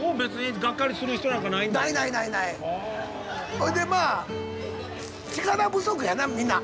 ほんでまあ力不足やなみんな。